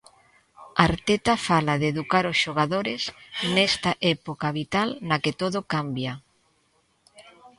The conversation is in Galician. Arteta fala de educar os xogadores nesta época vital na que todo cambia.